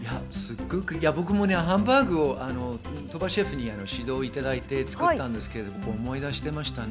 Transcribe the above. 僕もハンバーグを鳥羽シェフに指導いただいて作ったんですけど、思い出しました。